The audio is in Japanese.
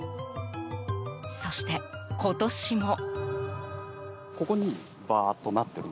そして今年も。